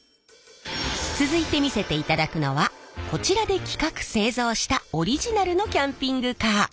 続いて見せていただくのはこちらで企画製造したオリジナルのキャンピングカー。